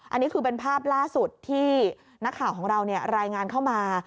อันนี้คือเป็นภาพล่าสุดที่นักข่าวของเรารายงานเข้ามา